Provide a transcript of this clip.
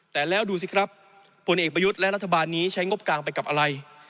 แต่แล้วดูสิครับผลเอกประยุทธ์และรัฐบาลนี้ใช้งบกลางไปกับอะไร